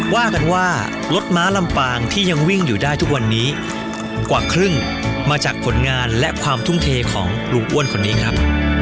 ว่ากันว่ารถม้าลำปางที่ยังวิ่งอยู่ได้ทุกวันนี้กว่าครึ่งมาจากผลงานและความทุ่มเทของลุงอ้วนคนนี้ครับ